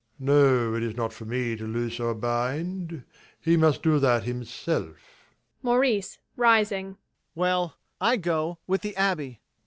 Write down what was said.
No, it is not for me to loose or bind. He must do that himself. MAURICE. [Rising] Well, I go with the Abbé.